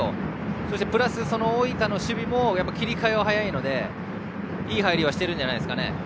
そしてプラス、大分の守備も切り替えは早いのでいい入りはしているんじゃないですかね。